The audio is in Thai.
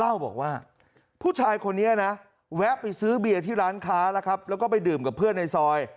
เล่าบอกว่าผู้ชายคนนี้นะแวะไปซื้อเบียร์ที่ร้านค้าแล้วครับแล้วก็ไปดื่มกับเพื่อนในซอย